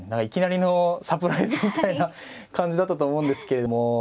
いきなりのサプライズみたいな感じだったと思うんですけれども。